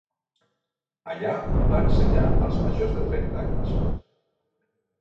Allà va ensenyar als majors de trenta anys.